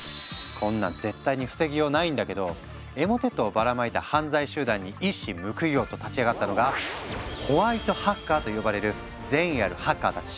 こんなん絶対に防ぎようないんだけどエモテットをばらまいた犯罪集団に一矢報いようと立ち上がったのが「ホワイトハッカー」と呼ばれる善意あるハッカーたち。